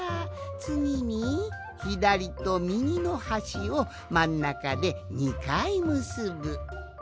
つぎにひだりとみぎのはしをまんなかで２かいむすぶ。